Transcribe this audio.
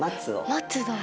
松だ。